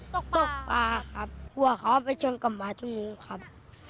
ตุ๊กป่าครับหัวพวกเขาไปทั้งกับมาถึงนู้นครับ